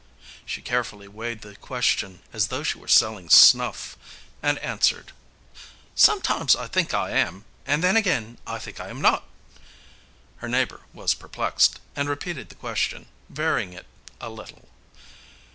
She carefully weighed the question, as though she were selling snuff, and answered, "Sometimes I think I am, and then again I think I am not." Her neighbor was perplexed, and repeated the question, varying it a little.